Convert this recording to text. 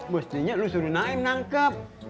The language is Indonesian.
mestinya lu suruh naim nangkep